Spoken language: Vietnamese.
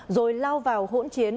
rồi lao vào hỗn chiến